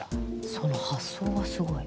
その発想がすごい。